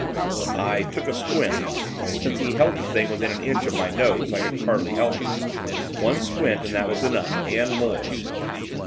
I 'took a squint' since he held the thing within an inch of my nose I could hardly help it; one 'squint,' and that was enough and more.